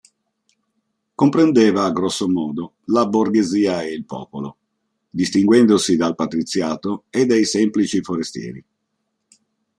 Comprendeva, grossomodo, la borghesia e il popolo, distinguendosi dal patriziato e dai semplici forestieri.